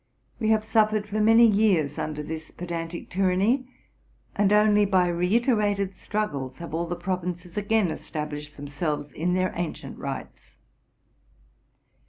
We have suffered for many years under this pedantic tyranny, and only by reiterated struggles have all the provinces again established themselves in their ancient rights.